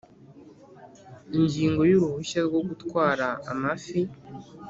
Ingingo y Uruhushya rwo gutwara amafi